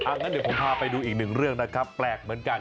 งั้นเดี๋ยวผมพาไปดูอีกหนึ่งเรื่องนะครับแปลกเหมือนกัน